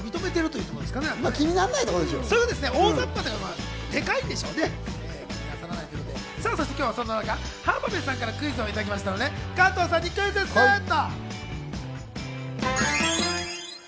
気にならないってことなんでそしてそんな中、浜辺さんからクイズをいただきましたので、加藤さんにクイズッスと！